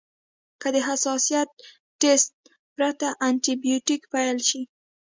که د حساسیت ټسټ پرته انټي بیوټیک پیل شي.